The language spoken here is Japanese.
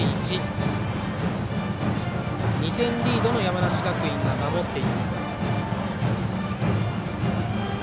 ２点リードの山梨学院が守っています。